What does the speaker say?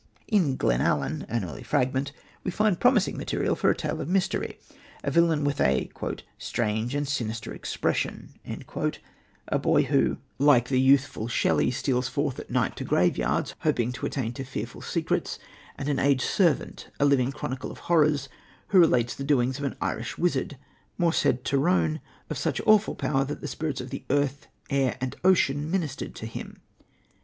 In Glenallan, an early fragment, we find promising material for a tale of mystery a villain with a "strange and sinister expression," a boy who, like the youthful Shelley, steals forth by night to graveyards, hoping to attain to fearful secrets, and an aged servant, a living chronicle of horrors, who relates the doings of an Irish wizard, Morshed Tyrone, of such awful power that the spirits of the earth, air and ocean ministered to him.